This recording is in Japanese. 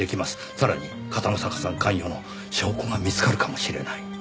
さらに片野坂さん関与の証拠が見つかるかもしれない。